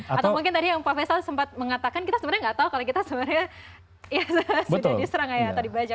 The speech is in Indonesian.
yang pak faisal sempat mengatakan kita sebenarnya nggak tahu kalau kita sebenarnya sudah diserang atau dibajak